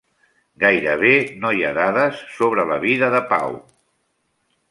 Gairebé no hi ha dades sobre la vida de Pau.